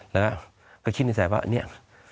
แล้วก็คิดในใจว่าเนี่ย